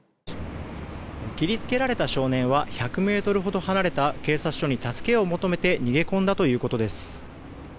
切りつけられた少年は１００ｍほど離れた警察署に助けを求めて逃げ込んだということです。